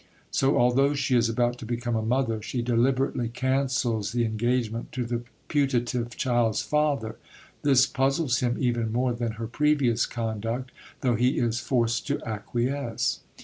So, although she is about to become a mother, she deliberately cancels the engagement to the putative child's father; this puzzles him even more than her previous conduct, though he is forced to acquiesce.